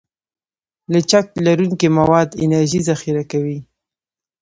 لچک لرونکي مواد انرژي ذخیره کوي.